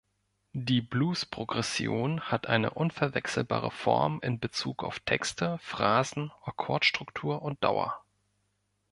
Die Blues-Progression hat eine unverwechselbare Form in Bezug auf Texte, Phrasen, Akkordstruktur und Dauer.